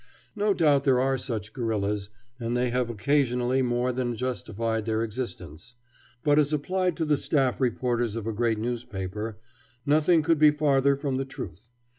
No doubt there are such guerrillas, and they have occasionally more than justified their existence; but, as applied to the staff reporters of a great newspaper, nothing could be farther from the truth.